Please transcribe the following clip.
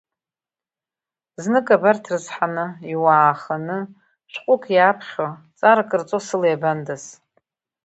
Знык абарҭ рызҳаны, иуааханы, шәҟәык иаԥхьо, ҵарак рҵо, сыла иабандаз!